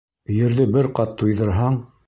Ерҙе бер ҡат туйҙырһаң